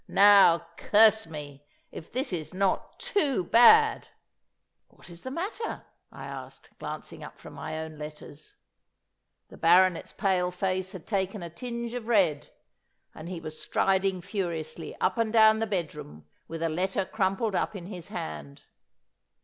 Now, curse me, if this is not too bad!' 'What is the matter?' I asked, glancing up from my own letters. The baronet's pale face had taken a tinge of red, and he was striding furiously up and down the bedroom with a letter crumpled up in his hand.